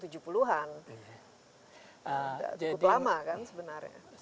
sudah cukup lama kan sebenarnya